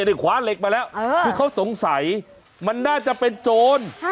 นี่ขวานเหล็กมาแล้วเพราะเขาสงสัยมันน่าจะเป็นโจร